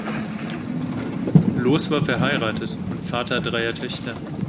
Loos war verheiratet und Vater dreier Töchter.